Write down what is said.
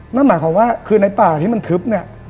นั่นหมายความว่าคือในป่าที่มันทึบเนี่ย